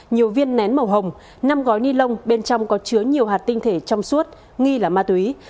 nhiều viên nén màu hồng năm gói ni lông bên trong có chứa nhiều hạt tinh thể trong suốt nghi là ma túy